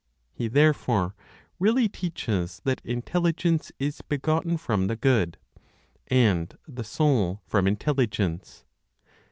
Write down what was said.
He therefore really teaches that Intelligence is begotten from the Good, and the Soul from Intelligence.